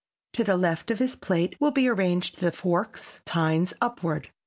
To the left of this plate will be arranged the forks, tines upward.